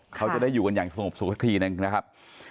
เขาจะได้อยู่กันอย่างสงบสุขสักทีหนึ่งนะครับ